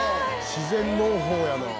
自然農法やな。